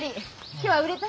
今日は売れた？